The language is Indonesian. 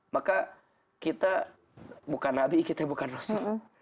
maka kita bukan nabi kita bukan rasul